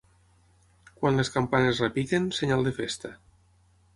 Quan les campanes repiquen, senyal de festa.